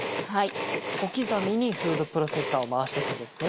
小刻みにフードプロセッサーを回していくんですね。